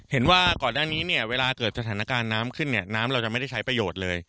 เห็นว่าก่อนหน้านี้เนี่ยเวลาเกิดสถานการณ์น้ำขึ้นเนี่ยน้ำเราจะไม่ได้ใช้ประโยชน์เลย